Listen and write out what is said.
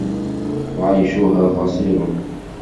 وَعَيْشُهَا قَصِيرٌ